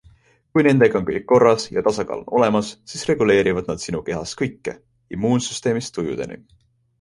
Kui nendega on kõik korras ja tasakaal on olemas, siis reguleerivad nad sinu kehas kõike - immuunsüsteemist tujudeni.